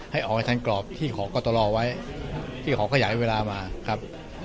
ให้ออกไปทันกรอบที่ขอกตรไว้ที่ขอขยายเวลามาครับ